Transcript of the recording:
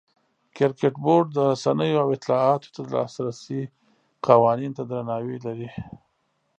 کرکټ بورډ د رسنیو او اطلاعاتو ته د لاسرسي قوانینو ته درناوی لري.